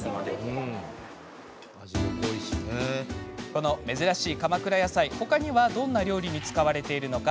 この珍しい鎌倉やさい、ほかにはどんな料理に使われているのか。